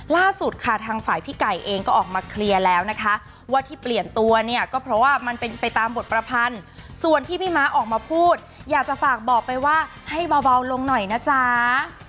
ล่าสุดค่ะทางฝ่ายพี่ไก่เองก็ออกมาเคลียร์แล้วนะคะว่าที่เปลี่ยนตัวเนี่ยก็เพราะว่ามันเป็นไปตามบทประพันธ์ส่วนที่พี่ม้าออกมาพูดอยากจะฝากบอกไปว่าให้เบาลงหน่อยนะจ๊ะ